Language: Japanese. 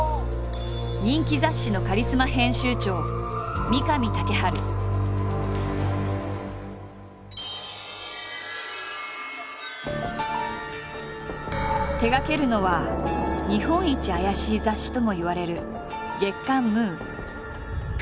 人気雑誌のカリスマ編集長手がけるのは「日本一アヤシイ雑誌」ともいわれる月刊「ムー」。